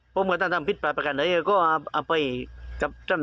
ปุ้งก็ต้าทำภิรษปราประกันเลยอะก็เอาเอาไปกับจ้ำ